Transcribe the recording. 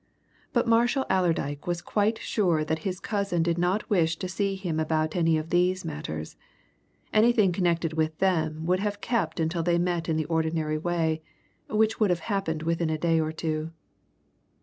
But Marshall Allerdyke was quite sure that his cousin did not wish to see him about any of these matters anything connected with them would have kept until they met in the ordinary way, which would have happened within a day or two.